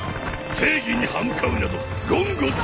正義に歯向かうなど言語道断！